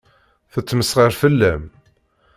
Tettmesxiṛ fell-am.